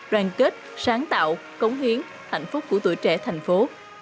đoàn kết sáng tạo cống hiến hạnh phúc của tuổi trẻ thành phố